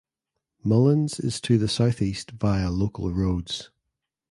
Mullins is to the southeast via local roads.